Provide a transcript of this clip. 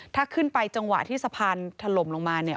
ถ้าขึ้นไปจังหวะที่สะพานถล่มลงมาเนี่ย